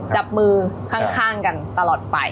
จับมือข้างกันตลอดไป